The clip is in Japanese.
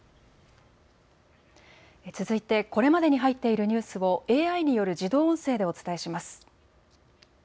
続いてこれまでに入っているニュースをＡＩによる自動音声でお伝えします。